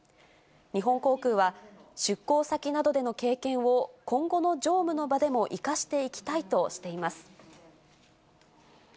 日本航空は、出向先などでの経験を、今後の乗務の場でも生かしていきたいとしています。